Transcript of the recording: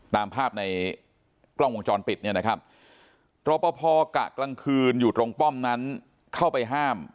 ตามภาพในกล้องวงจรปิดเนี่ยนะครับรอปภกะกลางคืนอยู่ตรงป้อมนั้นเข้าไปห้าม